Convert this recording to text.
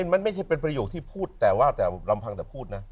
มันไม่ใช่เป็นประโยคที่พูดแต่ว่าแต่ลำพังแต่พูดนะ